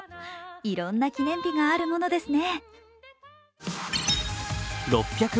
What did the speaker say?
いろんな記念日があるものですね。